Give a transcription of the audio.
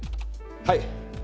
はい。